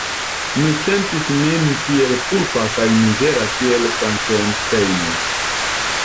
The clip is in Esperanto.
Mi sentis min tiel kulpa kaj mizera kiel Frankenstejno.